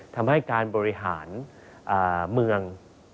ทำให้การบริหารเมือง